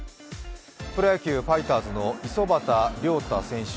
プロ野球・ファイターズの五十幡亮汰選手